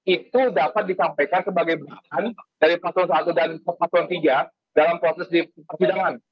itu dapat disampaikan sebagai bahasan dari pasukan satu dan pasukan tiga dalam proses di sidangan